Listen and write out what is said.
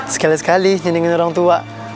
sekali sekali nyendingin orang tua